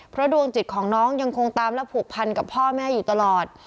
เพราะดวงจิตของน้องยังคงตามและผูกพันกับพ่อแม่อยู่ตลอด